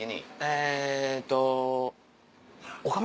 えっと。